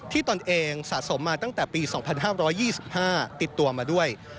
ตนเองสะสมมาตั้งแต่ปี๒๕๒๕ติดตัวมาด้วย